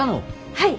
はい。